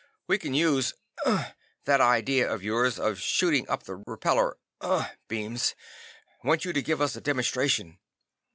We can use unh that idea of yours of shooting up the repellor unh beams. Want you to give us a demonstration."